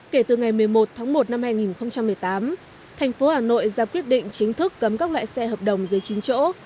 kể từ ngày một mươi một tháng một năm hai nghìn một mươi tám thành phố hà nội ra quyết định chính thức cấm các loại xe hợp đồng dưới chín chỗ